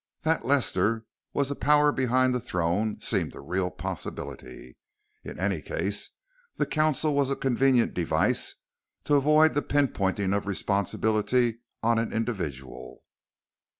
That Lester was a power behind the throne seemed a real possibility. In any case, the council was a convenient device to avoid the pinpointing of responsibility on an individual.